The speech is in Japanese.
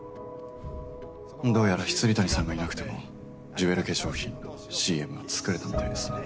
どうやら未谷さんがいなくてもジュエル化粧品のＣＭは作れたみたいですね。